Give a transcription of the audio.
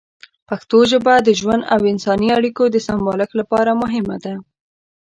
پښتو ژبه د ژوند او انساني اړیکو د سمبالښت لپاره مهمه ده.